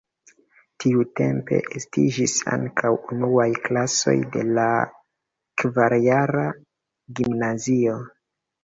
Tiutempe estiĝis ankaŭ unuaj klasoj de la kvarjara gimnazio.